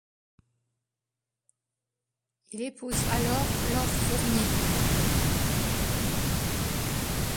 Il épouse alors Laure Fournier.